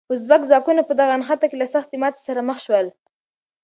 ازبک ځواکونه په دغه نښته کې له سختې ماتې سره مخ شول.